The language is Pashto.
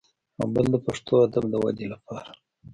او بل د پښتو ادب د ودې لپاره